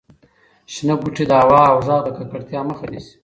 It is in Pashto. شنه بوټي د هوا او غږ د ککړتیا مخه نیسي.